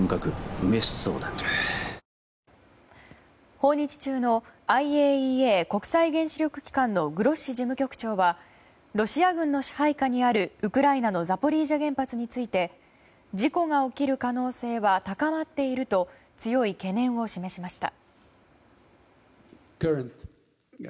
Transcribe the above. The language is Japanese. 訪日中のＩＡＥＡ・国際原子力機関のグロッシ事務局長はロシア軍の支配下にあるウクライナのザポリージャ原発について事故が起きる可能性は高まっていると強い懸念を示しました。